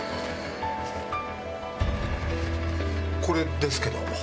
これですけど。